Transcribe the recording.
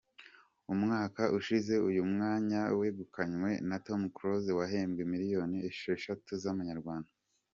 Umwaka ushize uyu mwanya wegukanywe na Tom Close wahembwe miliyoni esheshatu z’amanyarwanda.